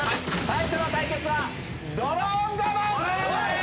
最初の対決はドローンガマン！